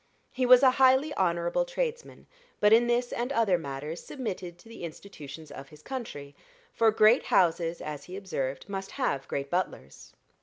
He was a highly honorable tradesman, but in this and in other matters submitted to the institutions of his country; for great houses, as he observed, must have great butlers.